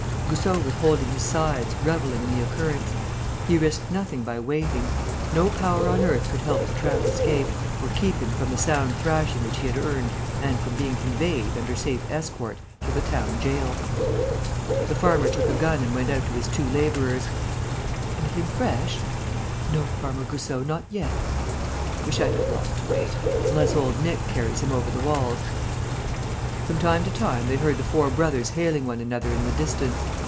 Goussot was holding his sides, revelling in the occurrence. He risked nothing by waiting. No power on earth could help the tramp escape or keep him from the sound thrashing which he had earned and from being conveyed, under safe escort, to the town gaol. The farmer took a gun and went out to his two labourers: "Anything fresh?" "No, Farmer Goussot, not yet." "We sha'n't have long to wait. Unless old Nick carries him over the walls...." From time to time, they heard the four brothers hailing one another in the distance.